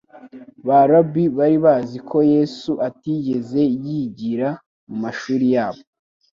Ba Rabbi bari bazi ko Yesu atigeze yigira mu mashuri yabo ;